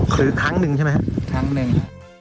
คือทั้งหนึ่งใช่ไหมฮะทั้งหนึ่ง